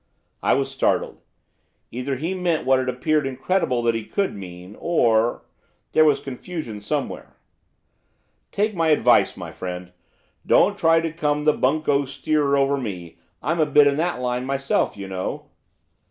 I was startled. Either he meant what it appeared incredible that he could mean, or there was confusion somewhere. 'Take my advice, my friend, and don't try to come the bunco steerer over me, I'm a bit in that line myself, you know.